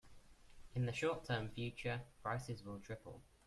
In the short term future, prices will triple.